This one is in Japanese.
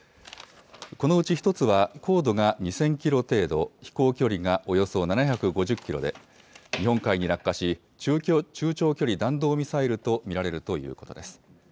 このうち１つは高度が２０００キロ程度、飛行距離がおよそ７５０キロで、日本海に落下し、中長距離弾道ミサイルと見られるということです。